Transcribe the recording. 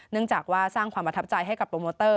เนื่องจากว่าสร้างความประทับใจให้กับโปรโมเตอร์